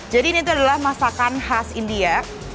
jadi ini tuh adalah masakan khas india